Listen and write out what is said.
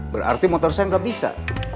berarti motor saya nggak bisa